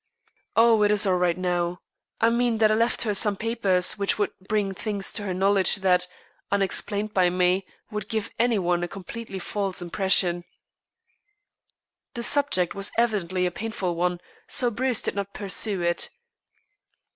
"Oh, it is all right now. I mean that I left her some papers which would bring things to her knowledge that, unexplained by me, would give any one a completely false impression." The subject was evidently a painful one, so Bruce did not pursue it.